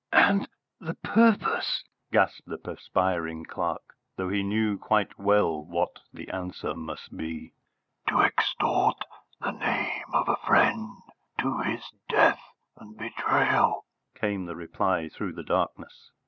"And the purpose?" gasped the perspiring clerk, though he knew quite well what the answer must be. "To extort the name of a friend, to his death and betrayal," came the reply through the darkness.